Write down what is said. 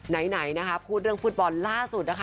ไหนนะคะพูดเรื่องฟุตบอลล่าสุดนะคะ